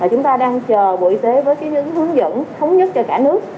và chúng ta đang chờ bộ y tế với những hướng dẫn thống nhất cho cả nước